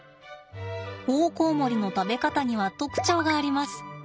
オオコウモリの食べ方には特徴があります。